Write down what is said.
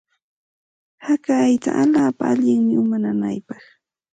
Haka aycha allaapa allinmi uma nanaypaq.